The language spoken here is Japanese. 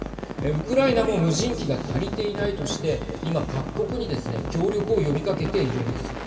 ウクライナも無人機が足りていないとして今、各国にですね協力を呼びかけているんです。